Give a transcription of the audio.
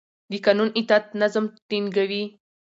د قانون اطاعت نظم ټینګوي